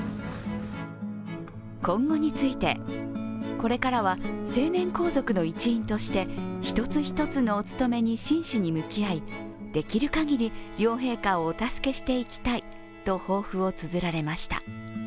今後について、これからは成年皇族の一員として一つ一つのお務めに真摯に向き合いできるかぎり両陛下をお助けしていきたいと抱負をつづられました。